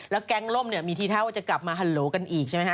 แล้วก็แก๊งลมมีที่เท่ากลับมาคราวอีก